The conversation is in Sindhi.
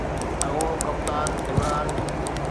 اڳوڻو ڪپتان عمران